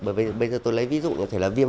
bởi vì bây giờ tôi lấy ví dụ như thế là viêm